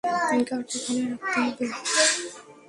গাড়ি এখানে রাখতে হবে।